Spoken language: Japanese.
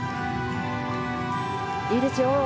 いいですよ。